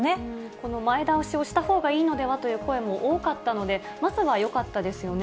この前倒しをしたほうがいいのではという声も多かったので、まずはよかったですよね。